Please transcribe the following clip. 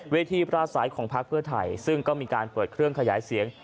ที่ปราศัยของพักเพื่อไทยซึ่งก็มีการเปิดเครื่องขยายเสียง